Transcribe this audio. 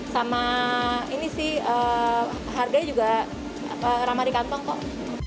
sama ini sih harganya juga ramah di kantong kok